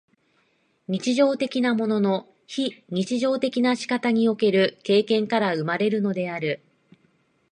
日常的なものの非日常的な仕方における経験から生まれるのである。